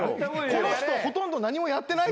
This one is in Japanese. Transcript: この人ほとんど何もやってない。